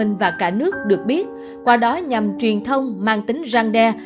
tp hcm và cả nước được biết qua đó nhằm truyền thông mang tính răng đe